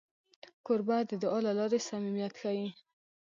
کوربه د دعا له لارې صمیمیت ښيي.